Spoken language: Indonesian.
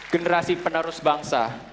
generasi penerus bangsa